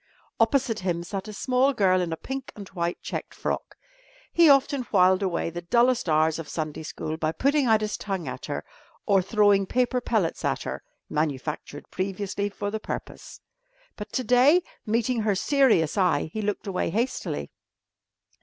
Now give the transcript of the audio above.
Opposite him sat a small girl in a pink and white checked frock. He often whiled away the dullest hours of Sunday school by putting out his tongue at her or throwing paper pellets at her (manufactured previously for the purpose). But to day, meeting her serious eye, he looked away hastily.